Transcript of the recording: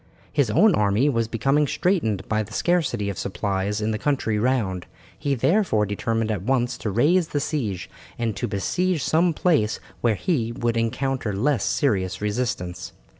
His own army was becoming straitened by the scarcity of supplies in the country round, he therefore determined at once to raise the siege, and to besiege some place where he would encounter less serious resistance.